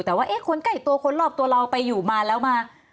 แต่ว่าคนใกล้ตัวคนรอบตัวเราไปอยู่มาแล้วมา